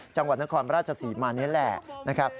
จังหวัดนครราชศรีมานี่แหละนะครับ